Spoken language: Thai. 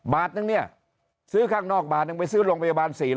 บาทนึงเนี่ยซื้อข้างนอกบาทนึงไปซื้อโรงพยาบาล๔๐๐